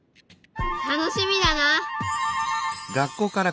楽しみだな。